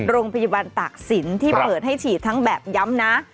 โรงพยาบาลตากศิลป์ที่เปิดให้ฉีดทั้งแบบย้ำนะ